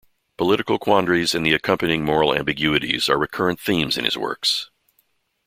Political quandaries and the accompanying moral ambiguities are recurrent themes in his works.